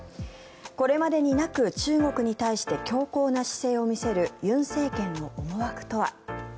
これまでになく中国に対して強硬な姿勢を見せる尹政権の思惑とは。